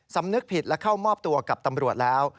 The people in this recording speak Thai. สำนึกผิดและเข้ามอบตัวกับตำรวจแล้ว